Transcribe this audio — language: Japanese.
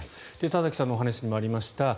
田崎さんのお話にもありました